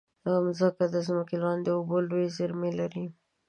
مځکه د ځمکې لاندې اوبو لویې زېرمې لري.